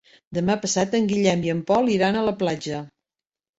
Demà passat en Guillem i en Pol iran a la platja.